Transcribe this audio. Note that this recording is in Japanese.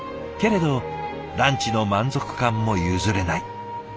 けれどランチの満足感も譲れない。